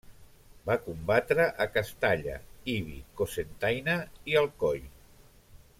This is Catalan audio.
Va combatre a Castalla, Ibi, Cocentaina i Alcoi.